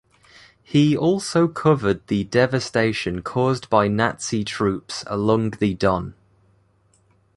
He also covered the devastation caused by Nazi troops along the Don.